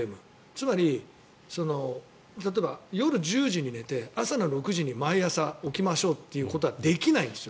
つまり、例えば夜１０時に寝て朝の６時に毎朝起きましょうってことはできないんですよ。